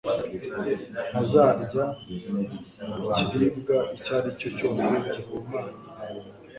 ntazarya ikiribwa icyo ari cyo cyose gihumanye